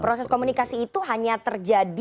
proses komunikasi itu hanya terjadi